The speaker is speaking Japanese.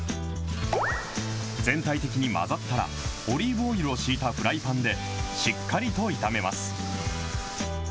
全体的に混ざったら、オリーブオイルを敷いたフライパンでしっかりと炒めます。